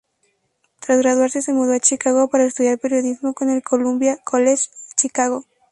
Tras graduarse, se mudó a Chicago para estudiar Periodismo en el Columbia College Chicago.